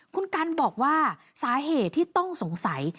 คุณกันบอกว่าสาเหตุที่ต้องสงสัย